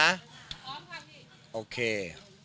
พร้อมค่ะพี่